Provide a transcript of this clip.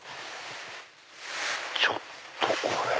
ちょっとこれ。